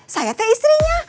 saya teh istrinya